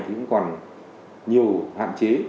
cũng còn nhiều hạn chế